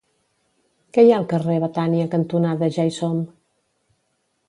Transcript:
Què hi ha al carrer Betània cantonada Ja-hi-som?